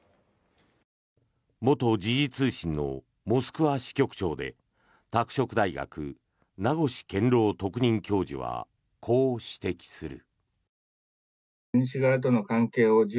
元時事通信のモスクワ支局長で拓殖大学、名越健郎特任教授はこう指摘する。